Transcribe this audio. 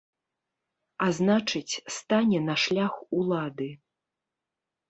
А значыць, стане на шлях улады.